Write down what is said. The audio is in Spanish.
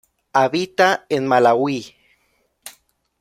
Habita en Malaui.